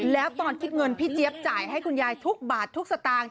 แล้วตอนคิดเงินพี่เจี๊ยบจ่ายให้คุณยายทุกบาททุกสตางค์